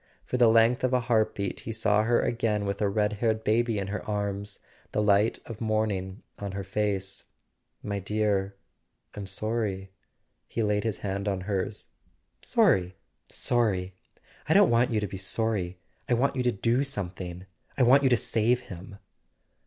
For the length of a heart beat he saw her again with a red haired baby in her arms, the light of morning on her face. "My dear—I'm sorry." He laid his hand on hers. " Sorry—sorry ? I don't want you to be sorry. I want you to do something—I want you to save him!"